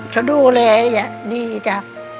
เขาดูแลอย่างดีจ้ะ